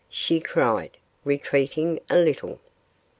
she cried, retreating a little.